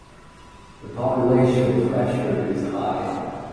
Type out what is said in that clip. The population pressure is high.